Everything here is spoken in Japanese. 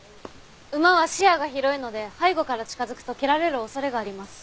馬は視野が広いので背後から近づくと蹴られる恐れがあります。